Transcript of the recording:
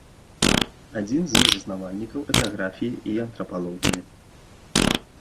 Адзін з заснавальнікаў этнаграфіі і антрапалогіі.